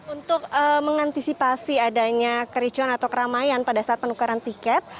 untuk mengantisipasi adanya kericuan atau keramaian pada saat penukaran tiket